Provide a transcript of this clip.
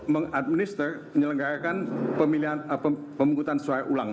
menyelenggarakan pemilihan pemungutan selera ulang